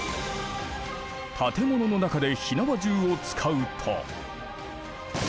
建物の中で火縄銃を使うと。